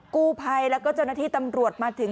กู้ภัยแล้วก็เจ้าหน้าที่ตำรวจมาถึง